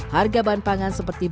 harga bahan pangan seperti